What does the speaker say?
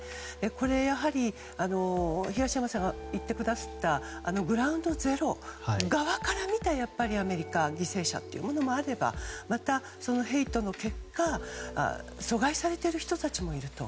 これはやはり、東山さんが行ってくださったグラウンド・ゼロ側から見たアメリカ犠牲者というものもあればまた、そういったヘイトの結果疎外されている人たちもいると。